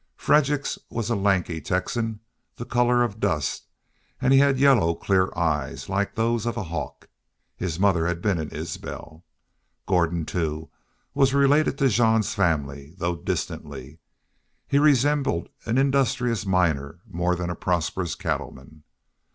Fredericks was a lanky Texan, the color of dust, and he had yellow, clear eyes, like those of a hawk. His mother had been an Isbel. Gordon, too, was related to Jean's family, though distantly. He resembled an industrious miner more than a prosperous cattleman.